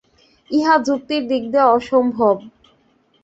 ইহা যুক্তির দিক দিয়া অসম্ভব।